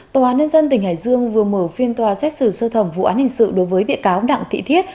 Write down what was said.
tòa án nhân dân tỉnh hải dương vừa mở phiên tòa xét xử sơ thẩm vụ án hình sự đối với bị cáo đặng thị thiết